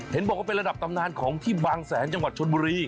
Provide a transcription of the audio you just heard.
เห็นบอกว่าเป็นระดับตำนานของที่บางแสนจังหวัดชนบุรี